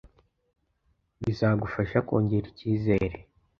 bizagufasha kongera icyizere